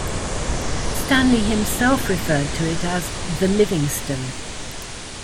Stanley himself referred to it as the Livingstone.